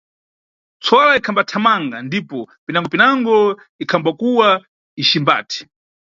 Ntswala ikhathamanga ndipo, pinango-pinango ikhambakuwa icimbati.